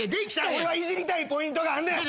俺はいじりたいポイントがあんねん！